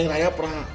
nek raya pernah